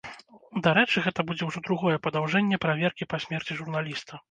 Дарэчы, гэта будзе ўжо другое падаўжэнне праверкі па смерці журналіста.